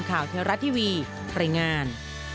ข่าวเทราะทีวีไตรงาน